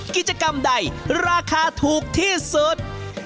กิจกรรมใดราคาถูกที่สุด